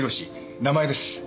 名前です。